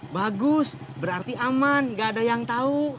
bagus berarti aman gak ada yang tahu